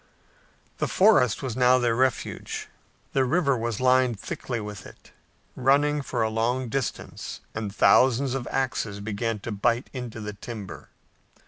The forest was now their refuge. The river was lined thickly with it, running for a long distance, and thousands of axes began to bite into the timber.